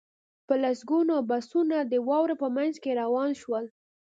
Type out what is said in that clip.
په لسګونه بسونه د واورو په منځ کې روان شول